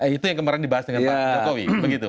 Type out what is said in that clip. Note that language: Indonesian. itu yang kemarin dibahas dengan pak jokowi begitu